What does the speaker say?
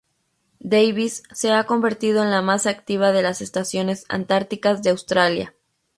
Davis se ha convertido en la más activa de las estaciones antárticas de Australia.